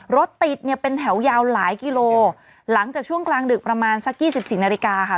รถติดเนี่ยเป็นแถวยาวหลายกิโลหลังจากช่วงกลางดึกประมาณสักยี่สิบสี่นาฬิกาค่ะ